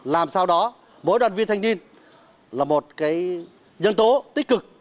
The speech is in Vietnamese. làm sao đó mỗi đoàn viên thanh niên là một nhân tố tích cực